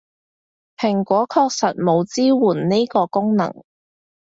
蘋果確實冇支援呢個功能